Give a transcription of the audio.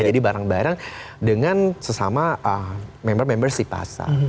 jadi bareng bareng dengan sesama member member sipasa